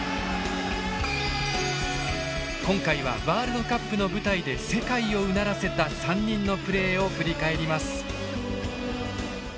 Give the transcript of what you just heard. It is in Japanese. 今回はワールドカップの舞台で世界をうならせた３人のプレーを振り返ります。